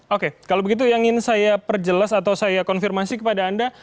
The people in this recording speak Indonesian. oke kalau begitu yang ingin saya perjelas atau saya konfirmasi kepada anda